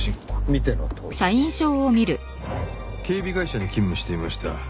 見てのとおり警備会社に勤務していました。